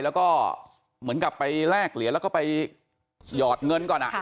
แล้วก็เหมือนกับไปแลกเหรียญแล้วก็ไปหยอดเงินก่อน